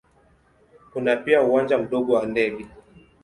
Kuna pia uwanja mdogo wa ndege.